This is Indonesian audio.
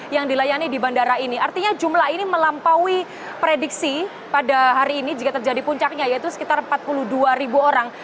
yang dilayani di bandara ini artinya jumlah ini melampaui prediksi pada hari ini jika terjadi puncaknya yaitu sekitar empat puluh dua ribu orang